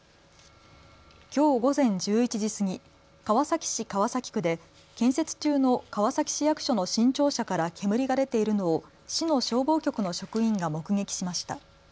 きょう午前１１時過ぎ、川崎市川崎区で建設中の川崎市役所の新庁舎から煙が出ているのを市の消防局の職員が目撃しました。